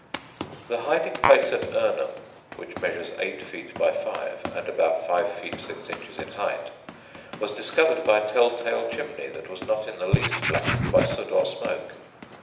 ] The hiding place at Irnham (which measures eight feet by five, and about five feet six inches in height) was discovered by a tell tale chimney that was not in the least blackened by soot or smoke.